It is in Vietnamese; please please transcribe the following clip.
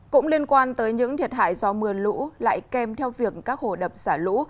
cũng liên quan tới những thiệt hại do mưa lũ lại kèm theo việc các hồ đập xả lũ